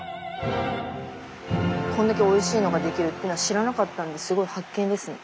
こんだけおいしいのが出来るってのは知らなかったんですごい発見ですね。